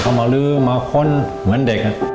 เพราะเขามันดามาลื้อข้นเหมือนเด็ก